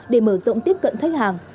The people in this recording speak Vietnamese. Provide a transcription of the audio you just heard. để mở rộng tiếp cận khách hàng